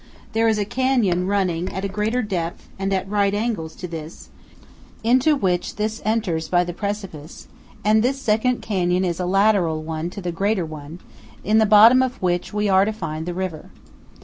There is a canyon running at a greater depth and at right angles to this, into which this enters by the precipice; and this second canyon is a lateral one to the greater one, in the bottom of which we are to find the river.